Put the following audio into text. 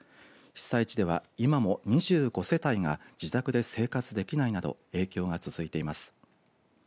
被災地では、今も２５世帯が自宅で生活できないなど影響が続いています。